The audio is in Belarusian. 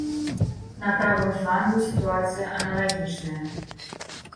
На правым флангу сітуацыя аналагічная.